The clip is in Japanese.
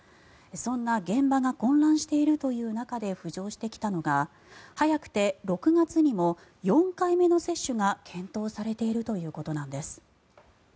そんな現場が混乱しているという中で浮上してきたのが早くて６月にも４回目の接種が検討されているということなんです。